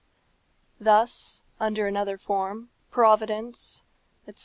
Thus, under another form, Providence," etc.